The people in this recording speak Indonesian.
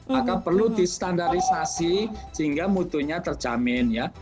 maka perlu di standarisasi sehingga mutunya terjamin ya